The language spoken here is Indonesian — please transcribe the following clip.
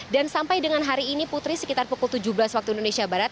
dan sampai dengan hari ini putri sekitar pukul tujuh belas waktu indonesia barat